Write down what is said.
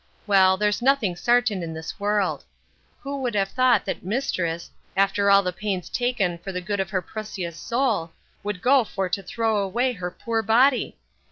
Well, there's nothing sartain in this world Who would have thought that mistriss, after all the pains taken for the good of her prusias sole, would go for to throw away her poor body?